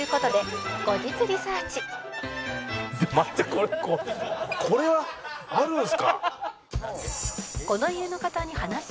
これこれはあるんすか？